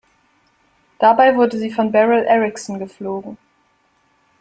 Dabei wurde sie von Beryl Erickson geflogen.